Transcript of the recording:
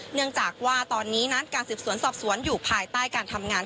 เนื่องจากว่าตอนนี้นั้นการสืบสวนสอบสวนอยู่ภายใต้การทำงาน